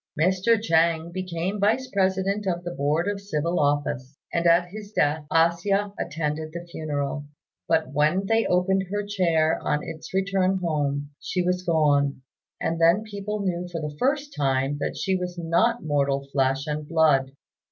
Mr. Chêng became Vice President of the Board of Civil Office, and at his death A hsia attended the funeral; but when they opened her chair on its return home, she was gone, and then people knew for the first time that she was not mortal flesh and blood.